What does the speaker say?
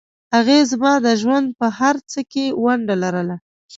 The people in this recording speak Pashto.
هغې زما د ژوند په هرڅه کې ونډه لرله